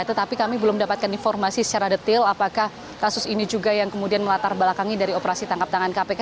tetapi kami belum mendapatkan informasi secara detail apakah kasus ini juga yang kemudian melatar belakangi dari operasi tangkap tangan kpk